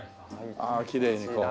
ああきれいにこう。